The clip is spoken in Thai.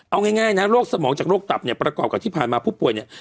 เอาง่ายนะโรคสมองจากโรคตับเนี่ยประกอบกับที่ผ่านมาผู้ป่วยเนี่ย